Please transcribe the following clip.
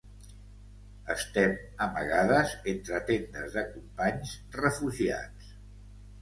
Estem amagades entre tendes de companys refugiats.